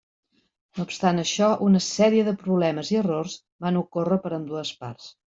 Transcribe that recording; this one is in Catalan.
No obstant això, una sèrie de problemes i errors van ocórrer per ambdues parts.